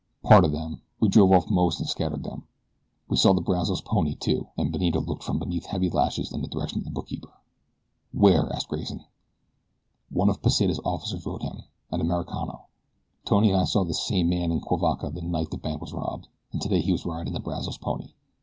"Part of them we drove off most and scattered them. We saw the Brazos pony, too," and Benito looked from beneath heavy lashes in the direction of the bookkeeper. "Where?" asked Grayson. "One of Pesita's officers rode him an Americano. Tony and I saw this same man in Cuivaca the night the bank was robbed, and today he was riding the Brazos pony."